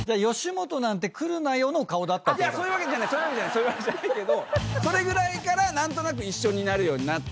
そういうわけじゃないけどそれぐらいから何となく一緒になるようになって。